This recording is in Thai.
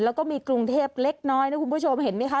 แล้วก็มีกรุงเทพเล็กน้อยนะคุณผู้ชมเห็นไหมคะ